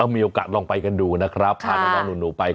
เอ้ามีโอกาสลองไปกันดูนะครับพาหนูน้อยไป